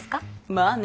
まあね。